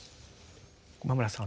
駒村さん